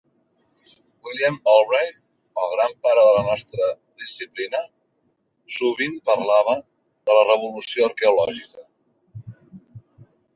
William Albright, el gran pare de la nostra disciplina, sovint parlava de la revolució arqueològica.